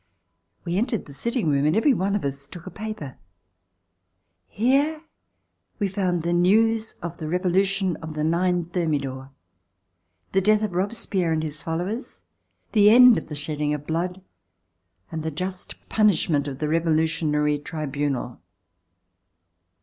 We entered the sitting room and every one of us took a paper. Here we found the news of the Revolution of the 9 Ther midor; the death of Robespierre and his followers, the end of the shedding of blood and the just punishment of the Revolutionary Tribunal.